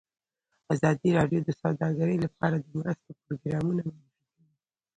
ازادي راډیو د سوداګري لپاره د مرستو پروګرامونه معرفي کړي.